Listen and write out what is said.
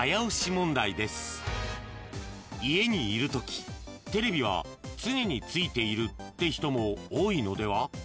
［家にいるときテレビは常についているって人も多いのでは？］